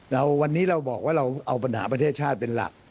แล้ววันนี้เราบอกว่าเราเอาปัญหาประเทศชาติเป็นหลัก